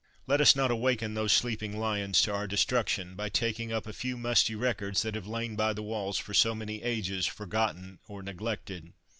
Let us not awaken those sleeping lions, to our destruction, by ta king up a few musty records that have lain by the walls for so many ages, forgotten or neg lected.